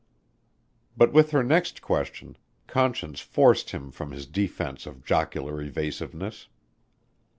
But with her next question Conscience forced him from his defense of jocular evasiveness.